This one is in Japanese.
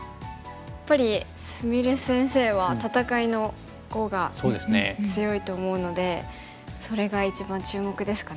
やっぱり菫先生は戦いの碁が強いと思うのでそれが一番注目ですかね。